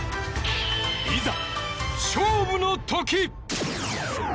いざ、勝負の時！